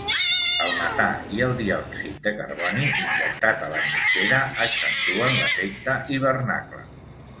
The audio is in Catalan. El metà i el diòxid de carboni injectat a l'atmosfera accentuen l'efecte hivernacle.